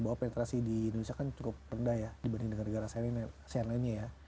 bahwa penetrasi di indonesia kan cukup rendah ya dibanding dengan negara lainnya ya